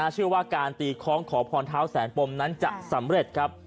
เชื่อว่าการตีคล้องขอพรเท้าแสนปมนั้นจะสำเร็จครับ